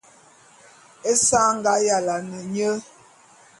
Esa a nga yalane nye.